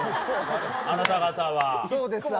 あなた方は。